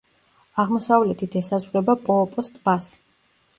აღმოსავლეთით ესაზღვრება პოოპოს ტბას.